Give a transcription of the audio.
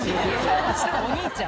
お兄ちゃん。